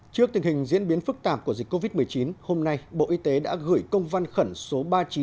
trước tình hình diễn biến phức tạp của dịch covid một mươi chín hôm nay bộ y tế đã gửi công văn khẩn số ba nghìn chín trăm tám mươi hai